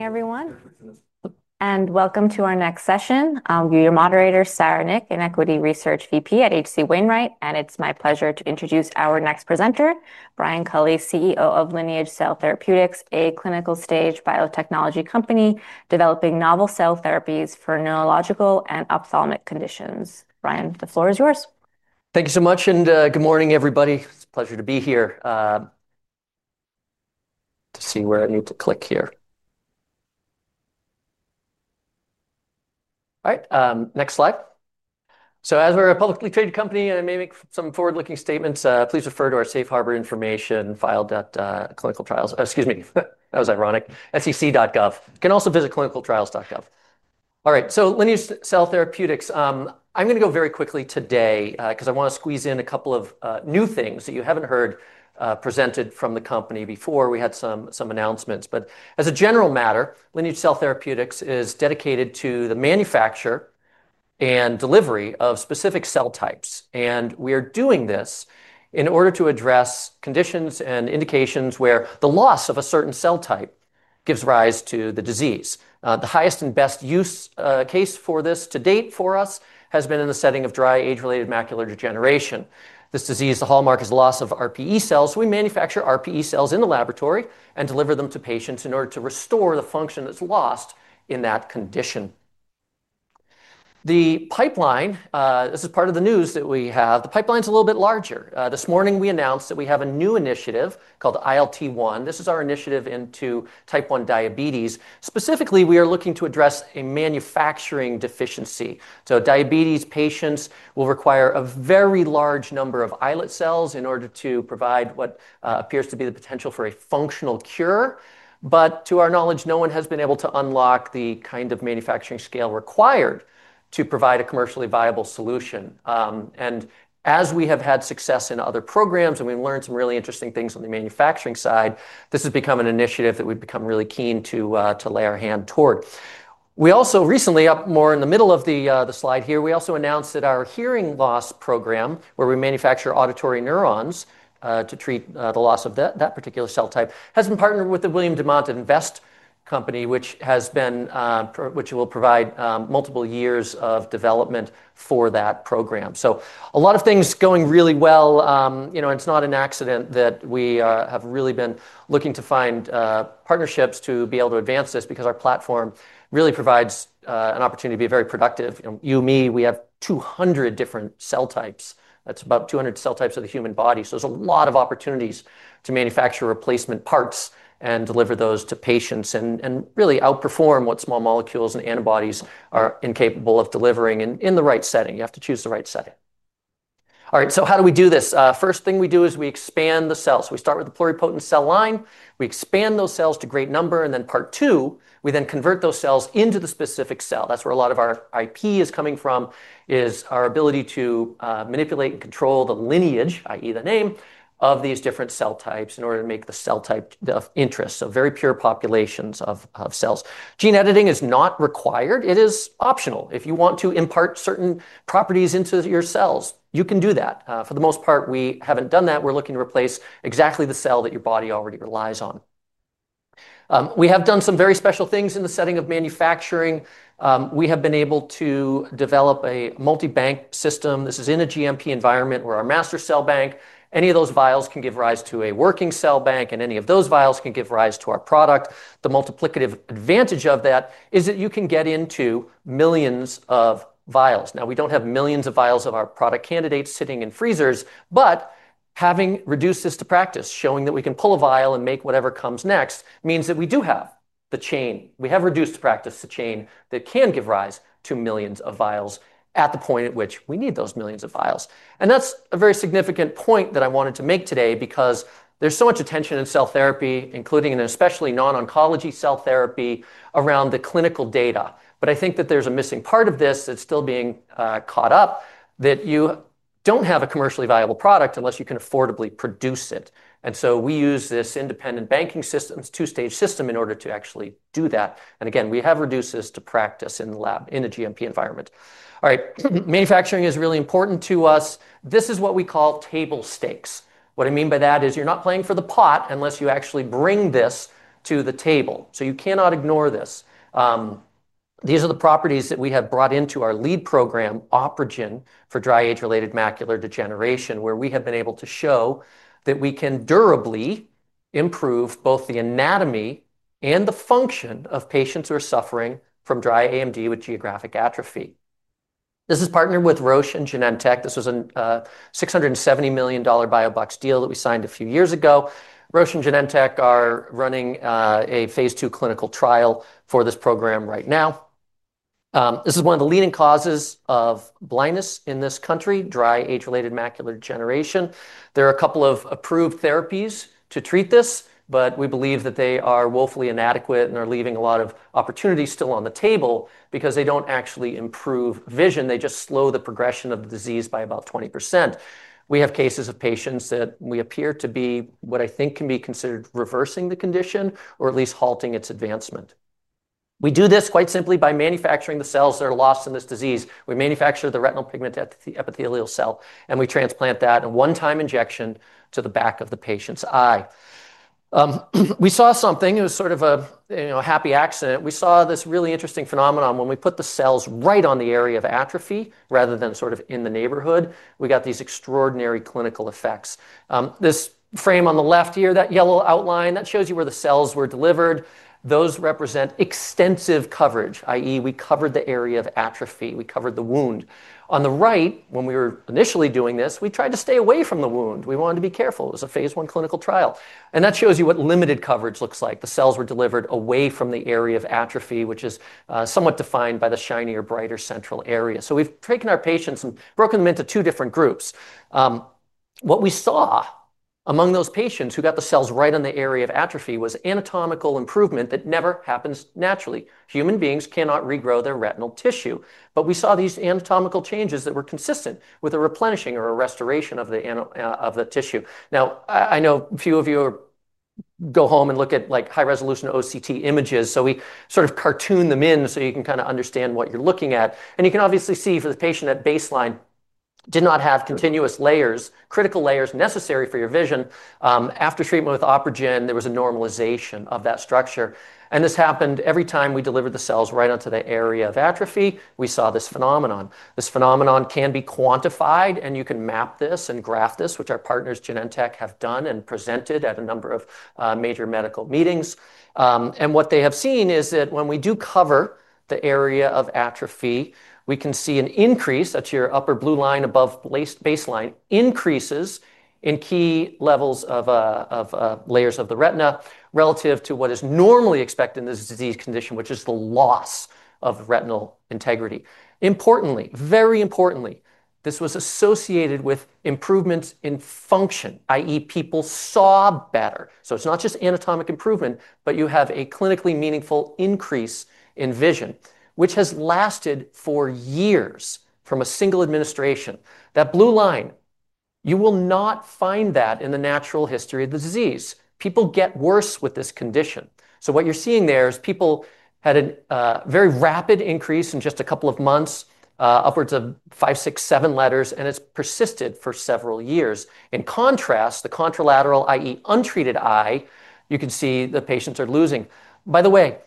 Everyone, and welcome to our next session. I'll be your moderator, Sarah Nick, an Equity Research VP at HC Wainwright, and it's my pleasure to introduce our next presenter, Brian Culley, CEO of Lineage Cell Therapeutics, a clinical-stage biotechnology company developing novel cell therapies for neurological and ophthalmic conditions. Brian, the floor is yours. Thank you so much, and good morning, everybody. It's a pleasure to be here. Let's see where I need to click here. All right, next slide. As we're a publicly traded company, I may make some forward-looking statements. Please refer to our safe harbor information file. Excuse me, that was ironic. SEC.gov. You can also visit clinicaltrials.gov. All right, so Lineage Cell Therapeutics. I'm going to go very quickly today because I want to squeeze in a couple of new things that you haven't heard presented from the company before. We had some announcements, but as a general matter, Lineage Cell Therapeutics is dedicated to the manufacture and delivery of specific cell types, and we are doing this in order to address conditions and indications where the loss of a certain cell type gives rise to the disease. The highest and best use case for this to date for us has been in the setting of dry age-related macular degeneration. This disease, the hallmark is the loss of RPE cells. We manufacture RPE cells in the laboratory and deliver them to patients in order to restore the function that's lost in that condition. The pipeline, this is part of the news that we have. The pipeline's a little bit larger. This morning, we announced that we have a new initiative called ILT1. This is our initiative into type 1 diabetes. Specifically, we are looking to address a manufacturing deficiency. Diabetes patients will require a very large number of islet cells in order to provide what appears to be the potential for a functional cure, but to our knowledge, no one has been able to unlock the kind of manufacturing scale required to provide a commercially viable solution. As we have had success in other programs and we've learned some really interesting things on the manufacturing side, this has become an initiative that we've become really keen to lay our hand toward. We also recently, more in the middle of the slide here, we also announced that our hearing loss program, where we manufacture auditory neurons to treat the loss of that particular cell type, has been partnered with the William Demant Invest Company, which will provide multiple years of development for that program. A lot of things going really well, you know, and it's not an accident that we have really been looking to find partnerships to be able to advance this because our platform really provides an opportunity to be very productive. You and me, we have 200 different cell types. That's about 200 cell types of the human body. There's a lot of opportunities to manufacture replacement parts and deliver those to patients and really outperform what small molecules and antibodies are incapable of delivering in the right setting. You have to choose the right setting. All right, how do we do this? First thing we do is we expand the cells. We start with the pluripotent cell line. We expand those cells to great number, and then part two, we then convert those cells into the specific cell. That's where a lot of our IP is coming from, is our ability to manipulate and control the lineage, i.e., the name of these different cell types in order to make the cell type of interest, so very pure populations of cells. Gene editing is not required. It is optional. If you want to impart certain properties into your cells, you can do that. For the most part, we haven't done that. We're looking to replace exactly the cell that your body already relies on. We have done some very special things in the setting of manufacturing. We have been able to develop a multi-bank system. This is in a GMP environment where our master cell bank, any of those vials can give rise to a working cell bank, and any of those vials can give rise to our product. The multiplicative advantage of that is that you can get into millions of vials. We don't have millions of vials of our product candidates sitting in freezers, but having reduced this to practice, showing that we can pull a vial and make whatever comes next means that we do have the chain. We have reduced the practice to chain that can give rise to millions of vials at the point at which we need those millions of vials. That's a very significant point that I wanted to make today because there's so much attention in cell therapy, including in especially non-oncology cell therapy around the clinical data. I think that there's a missing part of this that's still being caught up, that you don't have a commercially viable product unless you can affordably produce it. We use this independent banking system, this two-stage system, in order to actually do that. We have reduced this to practice in the lab in a GMP environment. All right, manufacturing is really important to us. This is what we call table stakes. What I mean by that is you're not playing for the pot unless you actually bring this to the table. You cannot ignore this. These are the properties that we have brought into our lead program, OpRegen, for dry age-related macular degeneration, where we have been able to show that we can durably improve both the anatomy and the function of patients who are suffering from dry AMD with geographic atrophy. This is partnered with Roche and Genentech. This was a $670 million biobucks deal that we signed a few years ago. Roche and Genentech are running a Phase 2 clinical trial for this program right now. This is one of the leading causes of blindness in this country, dry age-related macular degeneration. There are a couple of approved therapies to treat this, but we believe that they are woefully inadequate and are leaving a lot of opportunities still on the table because they don't actually improve vision. They just slow the progression of the disease by about 20%. We have cases of patients that we appear to be what I think can be considered reversing the condition or at least halting its advancement. We do this quite simply by manufacturing the cells that are lost in this disease. We manufacture the retinal pigment epithelial cell, and we transplant that in a one-time injection to the back of the patient's eye. We saw something. It was sort of a happy accident. We saw this really interesting phenomenon when we put the cells right on the area of atrophy rather than sort of in the neighborhood. We got these extraordinary clinical effects. This frame on the left here, that yellow outline, that shows you where the cells were delivered. Those represent extensive coverage, i.e., we covered the area of atrophy. We covered the wound. On the right, when we were initially doing this, we tried to stay away from the wound. We wanted to be careful. It was a Phase 1 clinical trial. That shows you what limited coverage looks like. The cells were delivered away from the area of atrophy, which is somewhat defined by the shinier, brighter central area. We've taken our patients and broken them into two different groups. What we saw among those patients who got the cells right on the area of atrophy was anatomical improvement that never happens naturally. Human beings cannot regrow their retinal tissue. We saw these anatomical changes that were consistent with a replenishing or a restoration of the tissue. I know a few of you go home and look at high-resolution OCT images. We sort of cartoon them in so you can kind of understand what you're looking at. You can obviously see for the patient at baseline did not have continuous layers, critical layers necessary for your vision. After treatment with OpRegen, there was a normalization of that structure. This happened every time we delivered the cells right onto the area of atrophy. We saw this phenomenon. This phenomenon can be quantified, and you can map this and graph this, which our partners Genentech have done and presented at a number of major medical meetings. What they have seen is that when we do cover the area of atrophy, we can see an increase, that's your upper blue line above baseline, increases in key levels of layers of the retina relative to what is normally expected in this disease condition, which is the loss of retinal integrity. Importantly, very importantly, this was associated with improvements in function, i.e., people saw better. It's not just anatomic improvement, but you have a clinically meaningful increase in vision, which has lasted for years from a single administration. That blue line, you will not find that in the natural history of the disease. People get worse with this condition. What you're seeing there is people had a very rapid increase in just a couple of months, upwards of five, six, seven letters, and it's persisted for several years. In contrast, the contralateral, i.e., untreated eye, you can see the patients are losing. By the way,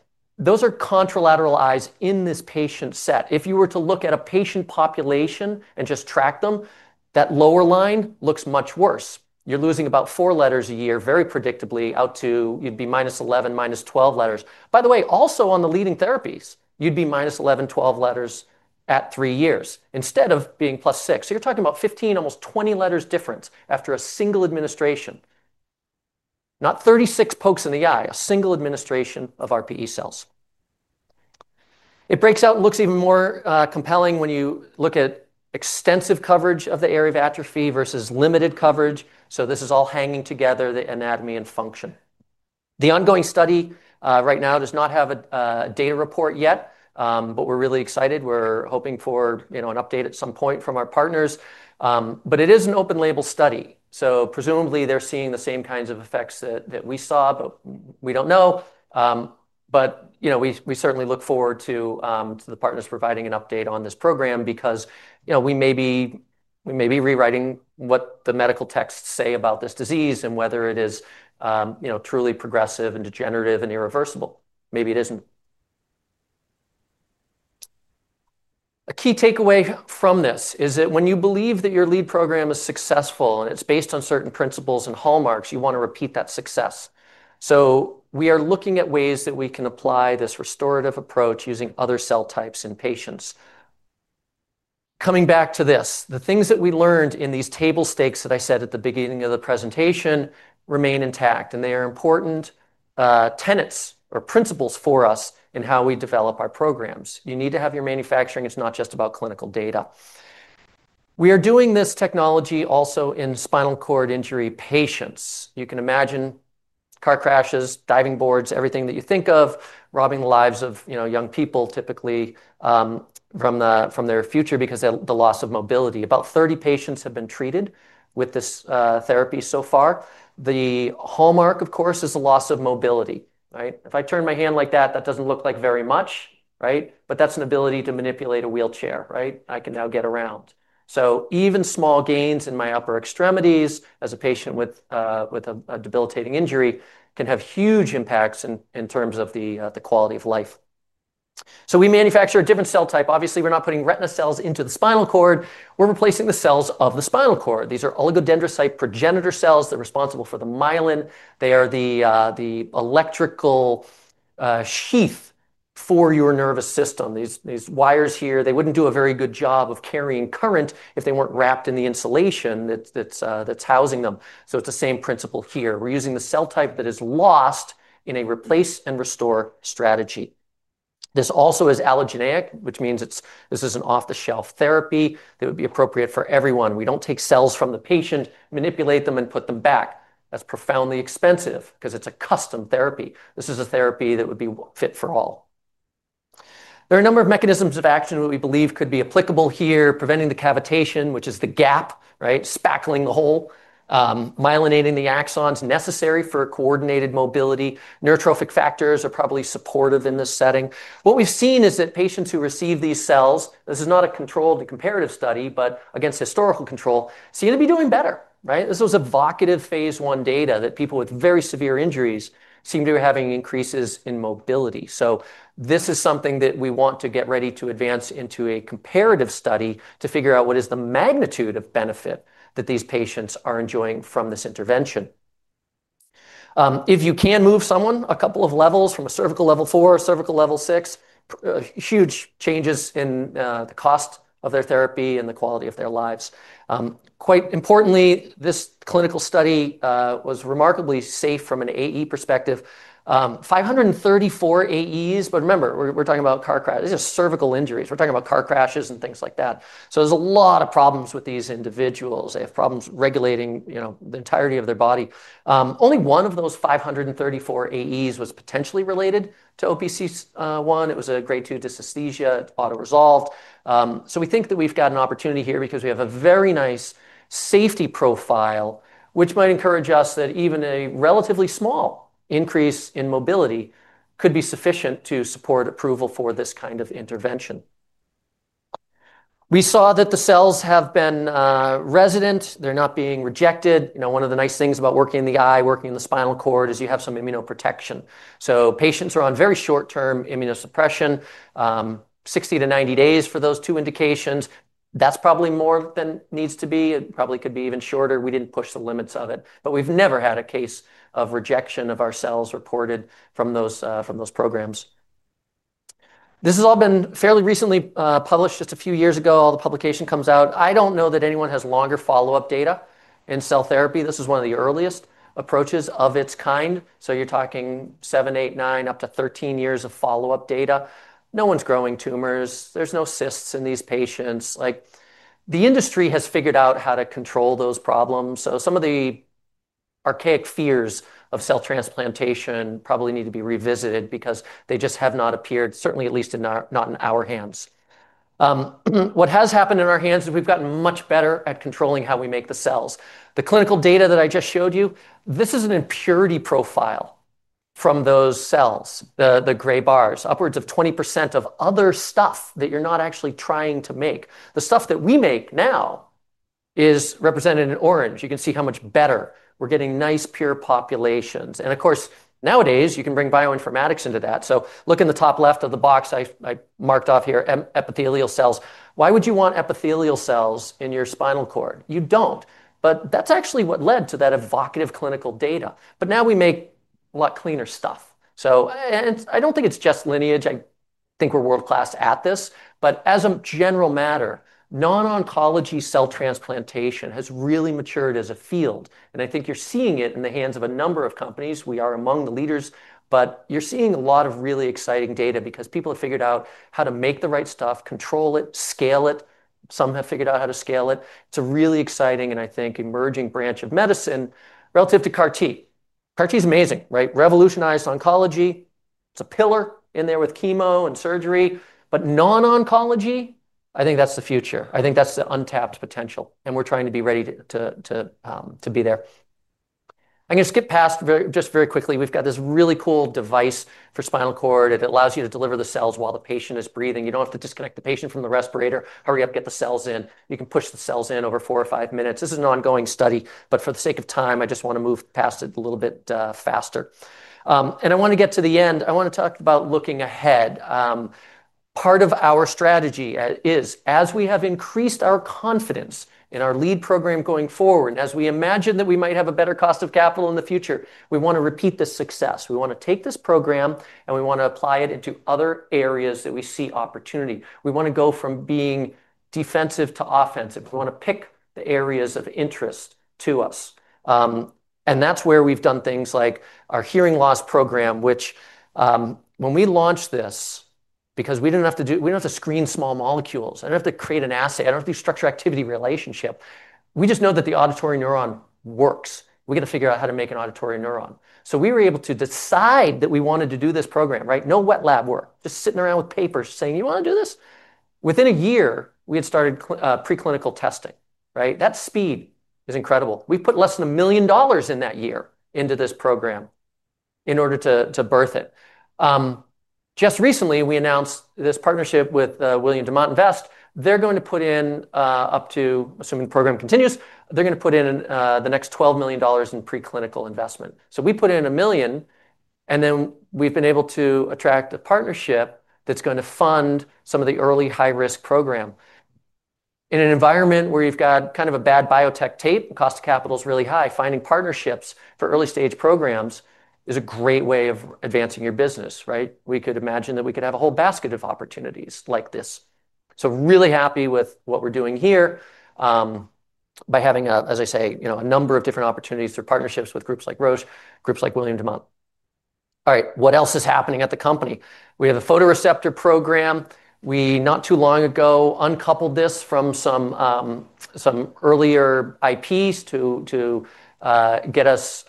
those are contralateral eyes in this patient set. If you were to look at a patient population and just track them, that lower line looks much worse. You're losing about four letters a year, very predictably, out to you'd be minus 11, minus 12 letters. By the way, also on the leading therapies, you'd be minus 11, 12 letters at three years instead of being plus six. You're talking about 15, almost 20 letters difference after a single administration. Not 36 pokes in the eye, a single administration of RPE cells. It breaks out and looks even more compelling when you look at extensive coverage of the area of atrophy versus limited coverage. This is all hanging together, the anatomy and function. The ongoing study right now does not have a data report yet, but we're really excited. We're hoping for an update at some point from our partners. It is an open-label study. Presumably, they're seeing the same kinds of effects that we saw, but we don't know. We certainly look forward to the partners providing an update on this program because we may be rewriting what the medical texts say about this disease and whether it is truly progressive and degenerative and irreversible. Maybe it isn't. A key takeaway from this is that when you believe that your lead program is successful and it's based on certain principles and hallmarks, you want to repeat that success. We are looking at ways that we can apply this restorative approach using other cell types in patients. Coming back to this, the things that we learned in these table stakes that I said at the beginning of the presentation remain intact, and they are important tenets or principles for us in how we develop our programs. You need to have your manufacturing. It's not just about clinical data. We are doing this technology also in spinal cord injury patients. You can imagine car crashes, diving boards, everything that you think of, robbing the lives of young people typically from their future because of the loss of mobility. About 30 patients have been treated with this therapy so far. The hallmark, of course, is the loss of mobility. If I turn my hand like that, that doesn't look like very much, but that's an ability to manipulate a wheelchair. I can now get around. Even small gains in my upper extremities as a patient with a debilitating injury can have huge impacts in terms of the quality of life. We manufacture a different cell type. Obviously, we're not putting retina cells into the spinal cord. We're replacing the cells of the spinal cord. These are oligodendrocyte progenitor cells that are responsible for the myelin. They are the electrical sheath for your nervous system. These wires here, they wouldn't do a very good job of carrying current if they weren't wrapped in the insulation that's housing them. It's the same principle here. We're using the cell type that is lost in a replace and restore strategy. This also is allogeneic, which means this is an off-the-shelf therapy that would be appropriate for everyone. We don't take cells from the patient, manipulate them, and put them back. That's profoundly expensive because it's a custom therapy. This is a therapy that would be fit for all. There are a number of mechanisms of action that we believe could be applicable here, preventing the cavitation, which is the gap, spackling the hole, myelinating the axons necessary for coordinated mobility. Neurotrophic factors are probably supportive in this setting. What we've seen is that patients who receive these cells, this is not a controlled comparative study, but against historical control, seem to be doing better. This was evocative Phase 1 data that people with very severe injuries seem to be having increases in mobility. This is something that we want to get ready to advance into a comparative study to figure out what is the magnitude of benefit that these patients are enjoying from this intervention. If you can move someone a couple of levels from a cervical level four, cervical level six, huge changes in the cost of their therapy and the quality of their lives. Quite importantly, this clinical study was remarkably safe from an AE perspective. 534 AEs, but remember, we're talking about car crashes. These are cervical injuries. We're talking about car crashes and things like that. There are a lot of problems with these individuals. They have problems regulating the entirety of their body. Only one of those 534 AEs was potentially related to OPC1. It was a grade 2 dysesthesia. It's auto-resolved. We think that we've got an opportunity here because we have a very nice safety profile, which might encourage us that even a relatively small increase in mobility could be sufficient to support approval for this kind of intervention. We saw that the cells have been resident. They're not being rejected. One of the nice things about working in the eye, working in the spinal cord, is you have some immunoprotection. Patients are on very short-term immunosuppression, 60 to 90 days for those two indications. That's probably more than needs to be. It probably could be even shorter. We didn't push the limits of it. We've never had a case of rejection of our cells reported from those programs. This has all been fairly recently published just a few years ago. All the publication comes out. I don't know that anyone has longer follow-up data in cell therapy. This is one of the earliest approaches of its kind. You're talking 7, 8, 9, up to 13 years of follow-up data. No one's growing tumors. There are no cysts in these patients. The industry has figured out how to control those problems. Some of the archaic fears of cell transplantation probably need to be revisited because they just have not appeared, certainly at least not in our hands. What has happened in our hands is we've gotten much better at controlling how we make the cells. The clinical data that I just showed you, this is an impurity profile from those cells, the gray bars, upwards of 20% of other stuff that you're not actually trying to make. The stuff that we make now is represented in orange. You can see how much better. We're getting nice pure populations. Of course, nowadays, you can bring bioinformatics into that. Look in the top left of the box I marked off here, epithelial cells. Why would you want epithelial cells in your spinal cord? You don't. That's actually what led to that evocative clinical data. Now we make a lot cleaner stuff. I don't think it's just Lineage. I think we're world-class at this. As a general matter, non-oncology cell transplantation has really matured as a field. I think you're seeing it in the hands of a number of companies. We are among the leaders. You're seeing a lot of really exciting data because people have figured out how to make the right stuff, control it, scale it. Some have figured out how to scale it. It's a really exciting and I think emerging branch of medicine relative to CAR-T. CAR-T is amazing, right? Revolutionized oncology. It's a pillar in there with chemo and surgery. Non-oncology, I think that's the future. I think that's the untapped potential. We're trying to be ready to be there. I'm going to skip past just very quickly. We've got this really cool device for spinal cord. It allows you to deliver the cells while the patient is breathing. You don't have to disconnect the patient from the respirator. However, you have to get the cells in. You can push the cells in over four or five minutes. This is an ongoing study. For the sake of time, I just want to move past it a little bit faster. I want to get to the end. I want to talk about looking ahead. Part of our strategy is, as we have increased our confidence in our lead program going forward, and as we imagine that we might have a better cost of capital in the future, we want to repeat this success. We want to take this program and we want to apply it into other areas that we see opportunity. We want to go from being defensive to offensive. We want to pick the areas of interest to us. That's where we've done things like our hearing loss program, which when we launched this, because we didn't have to screen small molecules. I don't have to create an assay. I don't have to structure activity relationship. We just know that the auditory neuron works. We got to figure out how to make an auditory neuron. We were able to decide that we wanted to do this program, right? No wet lab work. Just sitting around with papers saying, "You want to do this?" Within a year, we had started preclinical testing, right? That speed is incredible. We put less than $1 million in that year into this program in order to birth it. Just recently, we announced this partnership with William Demant Invest. They're going to put in up to, assuming the program continues, they're going to put in the next $12 million in preclinical investment. We put in $1 million, and then we've been able to attract a partnership that's going to fund some of the early high-risk program. In an environment where you've got kind of a bad biotech tape, the cost of capital is really high. Finding partnerships for early-stage programs is a great way of advancing your business, right? We could imagine that we could have a whole basket of opportunities like this. Really happy with what we're doing here by having, as I say, a number of different opportunities through partnerships with groups like Roche, groups like William Demant. What else is happening at the company? We have a photoreceptor program. We, not too long ago, uncoupled this from some earlier IPs to get us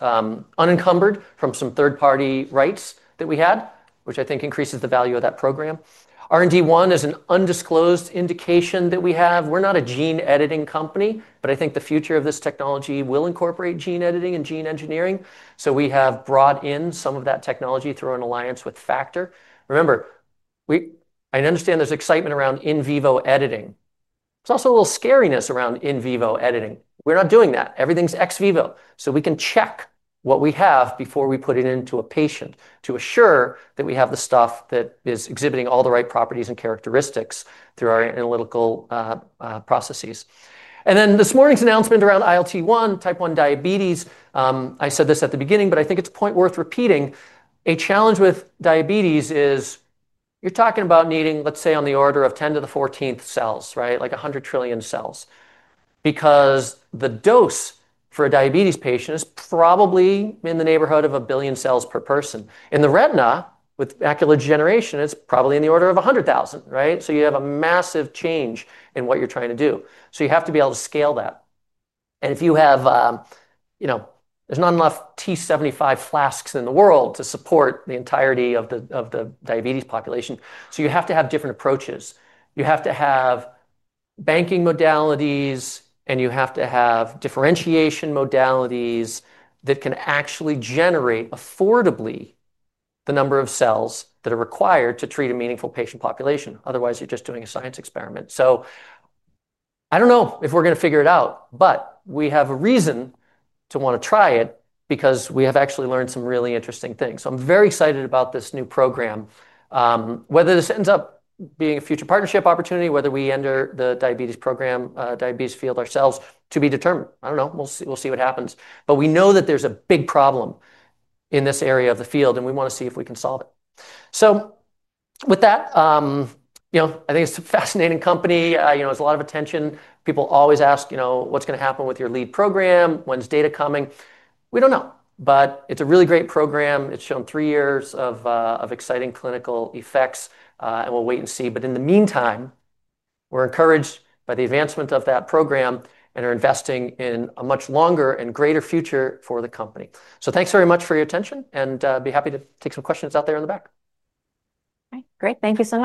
unencumbered from some third-party rights that we had, which I think increases the value of that program. RND1 is an undisclosed indication that we have. We're not a gene editing company, but I think the future of this technology will incorporate gene editing and gene engineering. We have brought in some of that technology through an alliance with Factor. I understand there's excitement around in vivo editing. There's also a little scariness around in vivo editing. We're not doing that. Everything's ex vivo. We can check what we have before we put it into a patient to assure that we have the stuff that is exhibiting all the right properties and characteristics through our analytical processes. This morning's announcement around ILT1, type 1 diabetes. I said this at the beginning, but I think it's a point worth repeating. A challenge with diabetes is you're talking about needing, let's say, on the order of 10 to the 14th cells, right? Like 100 trillion cells. The dose for a diabetes patient is probably in the neighborhood of a billion cells per person. In the retina, with macular degeneration, it's probably in the order of 100,000, right? You have a massive change in what you're trying to do. You have to be able to scale that. If you have, you know, there's not enough T75 flasks in the world to support the entirety of the diabetes population. You have to have different approaches. You have to have banking modalities, and you have to have differentiation modalities that can actually generate affordably the number of cells that are required to treat a meaningful patient population. Otherwise, you're just doing a science experiment. I don't know if we're going to figure it out, but we have a reason to want to try it because we have actually learned some really interesting things. I'm very excited about this new program. Whether this ends up being a future partnership opportunity, whether we enter the diabetes program, diabetes field ourselves, to be determined. I don't know. We'll see what happens. We know that there's a big problem in this area of the field, and we want to see if we can solve it. I think it's a fascinating company. There's a lot of attention. People always ask, you know, what's going to happen with your lead program? When's data coming? We don't know. It's a really great program. It's shown three years of exciting clinical effects, and we'll wait and see. In the meantime, we're encouraged by the advancement of that program and are investing in a much longer and greater future for the company. Thanks very much for your attention, and I'd be happy to take some questions out there in the back. Great. Thank you, Sarah.